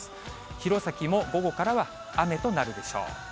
弘前も午後からは雨となるでしょう。